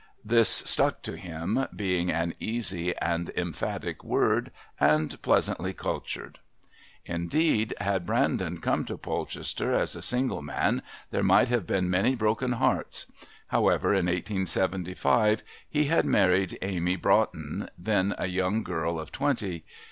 This stuck to him, being an easy and emphatic word and pleasantly cultured. Indeed, had Brandon come to Polchester as a single man there might have been many broken hearts; however, in 1875 he had married Amy Broughton, then a young girl of twenty.